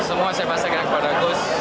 semua saya pastikan kepada gus